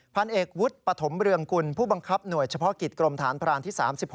พันเอกวุฒิปฐมเรืองกุลผู้บังคับหน่วยเฉพาะกิจกรมฐานพรานที่๓๖